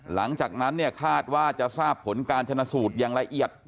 หลังจากนั้นเนี่ยคาดว่าจะทราบผลการชนะสูตรอย่างละเอียด